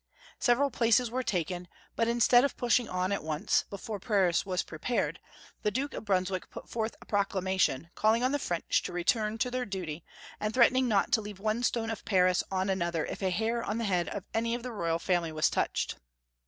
Several places were taken, but instead of pushing on at once, before Paris was prepared, the Duke of Brunswick put forth a proclamation, calling on the French to return to their duty, and threatening not to leave one stone of Paris on another if a hair on the head of any of the royal family was touched.